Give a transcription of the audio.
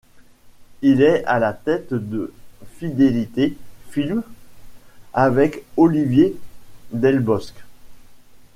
Il est à la tête de Fidélité Films avec Olivier Delbosc.